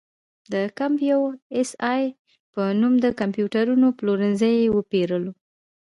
د کمپ یو اس اې په نوم د کمپیوټرونو پلورنځي یې وپېرل.